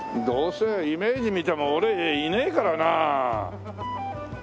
どうせイメージ見ても俺いねえからなあ。